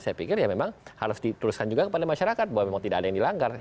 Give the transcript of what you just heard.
saya pikir ya memang harus dituliskan juga kepada masyarakat bahwa memang tidak ada yang dilanggar